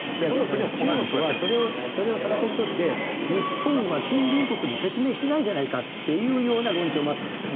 中国はそれを逆手に取って日本は近隣国に説明してないじゃないかっていうような論調もあったんですよ。